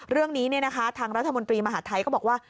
เรื่องนี้เนี่ยนะคะทางรัฐมนตรีมหาธัยก็บอกว่า